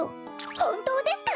ほんとうですか？